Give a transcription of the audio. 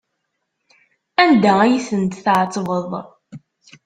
Anda ay tent-tɛettbeḍ?